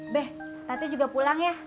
be nanti juga pulang ya